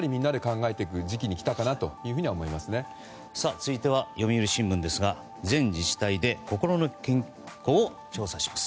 続いては読売新聞ですが全自治体で心の健康を調査します。